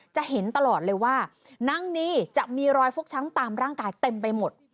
จะเห็นตลอดเลยว่านางนีจะมีรอยฟกช้ำตามร่างกายเต็มไปหมด